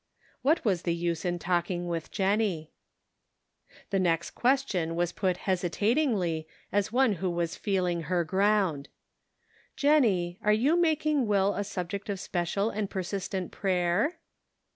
What was the use in talking with Jennie? The next question was put hesitatingly, as one who was feeling her ground: " Jennie, are you making Will a subject of special and persistent prayer?"